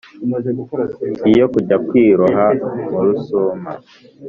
Iyo kujya kwiroha mu rusuma.